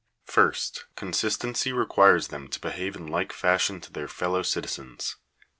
First, consistency requires them to behave in like fashion to their fellow citizens.